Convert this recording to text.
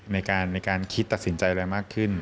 ในการคิดตัดสินใจอะไรมากขึ้น